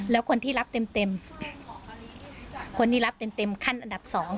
แล้วคนที่รับเต็มเต็มคนที่รับเต็มเต็มขั้นอันดับสอง